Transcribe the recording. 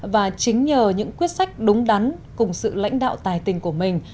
và chính nhờ những quyết sách đúng đắn cùng sự lãnh đạo tài tình của mình